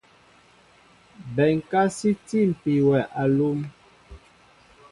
Bɛnká sí tîpi wɛ alúm.